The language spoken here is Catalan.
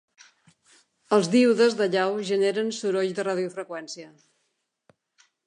Els díodes d'allau generen soroll de radiofreqüència.